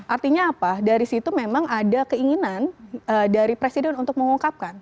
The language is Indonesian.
artinya apa dari situ memang ada keinginan dari presiden untuk mengungkapkan